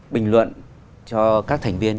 bình luận cho các thành viên